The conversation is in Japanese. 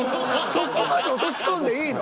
そこまで落とし込んでいいの？